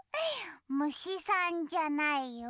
むしさんじゃないよ。